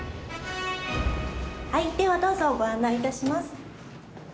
では、どうぞご案内いたします。